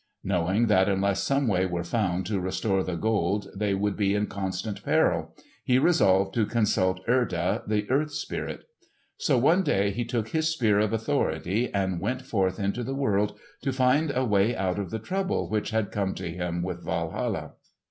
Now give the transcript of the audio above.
Knowing that unless some way were found to restore the Gold they would be in constant peril, he resolved to consult Erda, the earth spirit. So, one day he took his Spear of Authority and went forth into the world to find a way out of the trouble which had come to him with Walhalla.